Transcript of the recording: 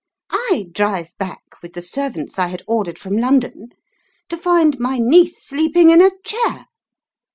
I drive back with the servants I had ordered from London to find my niece sleeping in a chair.